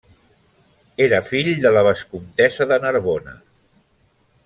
Era fill de la vescomtessa de Narbona.